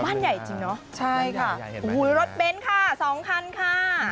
บ้านใหญ่จริงเนอะใช่ค่ะรถเบ้นค่ะ๒คันค่ะ